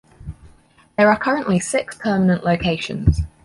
There are currently six permanent locations.